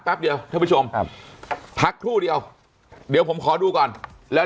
เดียวท่านผู้ชมครับพักครู่เดียวเดี๋ยวผมขอดูก่อนแล้ว